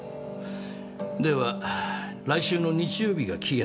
では来週の日曜日が期限だ。